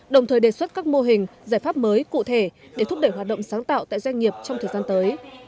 đồng thời đề xuất các mô hình giải pháp mới cụ thể để thúc đẩy hoạt động sáng tạo tại doanh nghiệp trong thời gian tới